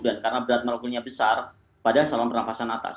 dan karena berat molekulnya besar pada saluran pernafasan atas